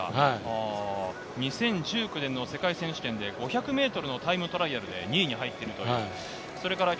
２０１９年、世界選手権で５００ｍのタイムトライアルで２位に入っています。